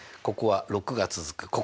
ここは６が続く。